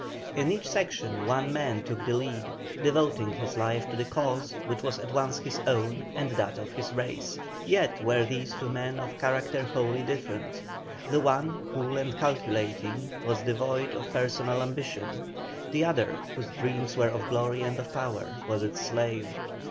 In each section one man took the lead, devoting his life to the cause which was at once his own and that of his race; yet were these two men of character wholly different. The one, cool and calculating, was devoid of personal ambition; the other, whose dreams were of glory and of power, was its slave.